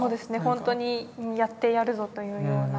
ほんとにやってやるぞというような。